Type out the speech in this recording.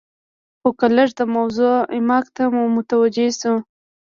خو که لږ د موضوع عمق ته متوجې شو.